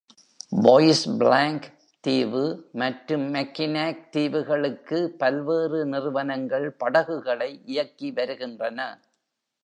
Bois Blanc தீவு மற்றும் Mackinac தீவுகளுக்கு பல்வேறு நிறுவனங்கள் படகுகளை இயக்கிவருகின்றன.